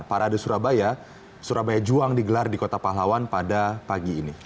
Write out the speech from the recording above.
parade surabaya surabaya juang digelar di kota pahlawan pada pagi ini